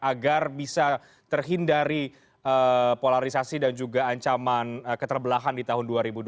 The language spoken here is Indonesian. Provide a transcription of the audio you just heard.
agar bisa terhindari polarisasi dan juga ancaman keterbelahan di tahun dua ribu dua puluh